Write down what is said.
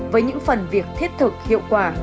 với những phần việc thiết thực hiệu quả